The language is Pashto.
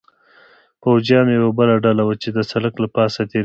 پوځیانو یوه بله ډله وه، چې د سړک له پاسه تېرېدل.